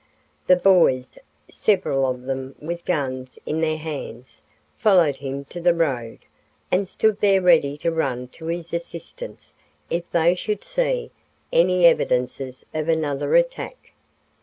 The boys, several of them with guns in their hands, followed him to the road and stood there ready to run to his assistance if they should see any evidences of another attack.